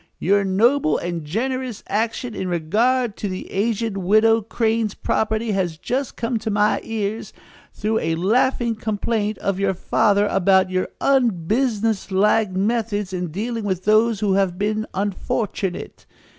Your noble and generous action in regard to the aged widow Crane's property has just come to my ears, through a laughing complaint of your father about your unbusinesslike methods in dealing with those who have been unfortunate.